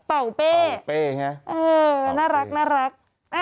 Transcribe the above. เอ่อน่ารัก